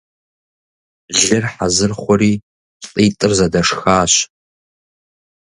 Лыр хьэзыр хъури, лӀитӀыр зэдэшхащ.